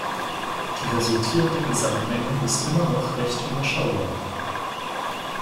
Die resultierende Gesamtmenge ist immer noch recht überschaubar.